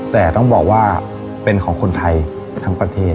แต่ต้องบอกว่าเป็นของคนไทยทั้งประเทศ